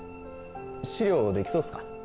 資料できそうっすか？